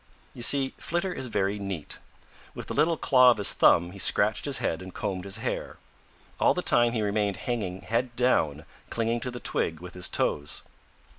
You see, Flitter is very neat. With the little claw of his thumb he scratched his head and combed his hair. All the time he remained hanging head down, clinging to the twig with his toes.